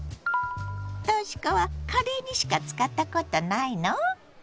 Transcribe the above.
とし子はカレーにしか使ったことないの？